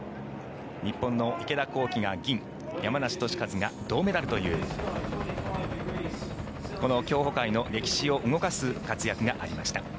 日本の池田向希が銀山西利和が銅メダルというこの競歩界の歴史を動かす活躍がありました。